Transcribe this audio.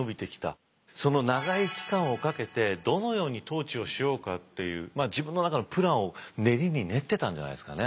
その長い期間をかけてどのように統治をしようかっていう自分の中のプランを練りに練ってたんじゃないですかね。